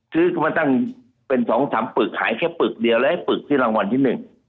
คือมาตั้งเป็น๒๓ปึกหายแค่ปึกเดียวแล้วให้ปึกที่รางวัลที่๑